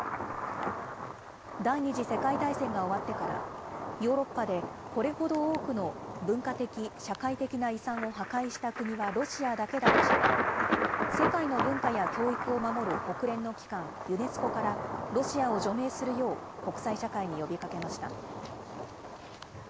第２次世界大戦が終わってから、ヨーロッパで、これほど多くの文化的・社会的な遺産を破壊した国はロシアだけだとして、世界の文化や教育を守る国連の機関、ユネスコからロシアを除名するよう、国際社会に呼びかけました。